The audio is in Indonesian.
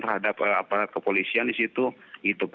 terhadap aparat kepolisian di situ